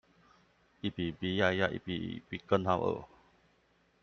一比一比鴨鴨，一比一比根號二